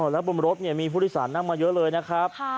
แล้วบนรถมีผู้โดยสารนั่งมาเยอะเลยนะครับ